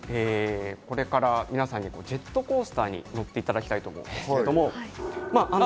これから皆さんにジェットコースターに乗っていただきたいと思いますけれども。